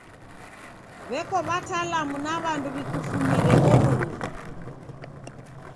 W'eko watalamu na w'andu w'ikufunyire w'oruw'u.